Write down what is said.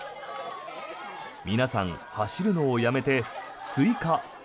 皆さん、走るのをやめてスイカ。